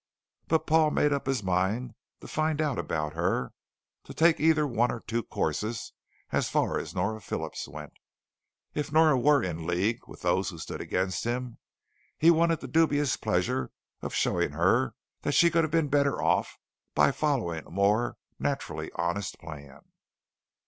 But Paul made up his mind to find out about her, to take either one of two courses as far as Nora Phillips went. If Nora were in league with those who stood against him, he wanted the dubious pleasure of showing her that she could have been better off by following a more naturally honest plan.